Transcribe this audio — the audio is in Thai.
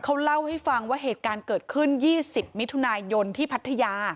เขาเล่าให้ฟังว่าเหตุการณ์เกิดขึ้น๒๐มิถุนายนที่พัทยา